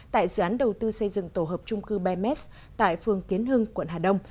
tại dự án đầu tư xây dựng tổ hợp trung cư bms tại phường kiến hưng quận hà đông